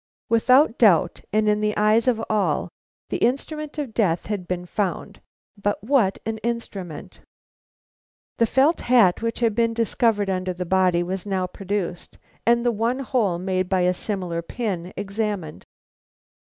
Without doubt, and in the eyes of all, the instrument of death had been found. But what an instrument! The felt hat which had been discovered under the body was now produced and the one hole made by a similar pin examined.